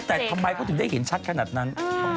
แต่ทำไมคุณจะต้องได้เห็นชัดขนาดนั้น